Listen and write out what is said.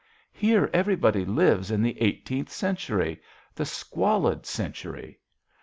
Here everybody lives in the eighteenth century the squalid century.